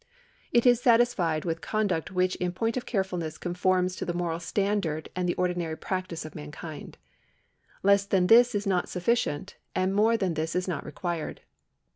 It is satisfied with conduct which in point of carefulness conforms to the moral standard and the ordinary practice of mankind. Less than this is not sufficient, and more than this is not required.